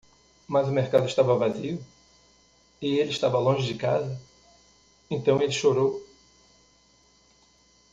Mas o mercado estava vazio? e ele estava longe de casa? então ele chorou.